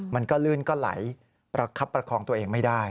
มันก็ลื่นก็ไหลประคับประคองตัวเองไม่ได้